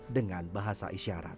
dengan bahasa isyarat